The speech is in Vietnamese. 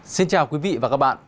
xin chào quý vị và các bạn